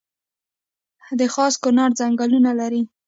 د خاص کونړ ځنګلونه لري